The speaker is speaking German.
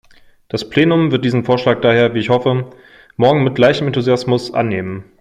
Das Plenum wird diesen Vorschlag daher, wie ich hoffe, morgen mit gleichem Enthusiasmus annehmen.